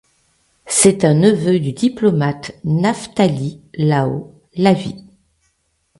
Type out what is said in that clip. C'est un neveu du diplomate Naphtali Lau-Lavie.